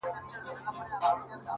د دې ميني ادایته’ د انسان تر وس وتلې